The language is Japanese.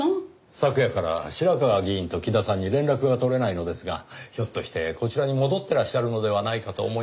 昨夜から白河議員と木田さんに連絡が取れないのですがひょっとしてこちらに戻ってらっしゃるのではないかと思いまして。